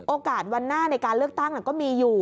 โอกาสวันหน้าในการเลือกตั้งก็มีอยู่